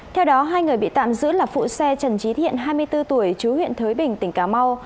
theo đó hai người bị tạm giữ là phụ xe trần trí thiện hai mươi bốn tuổi chú huyện thới bình tỉnh cà mau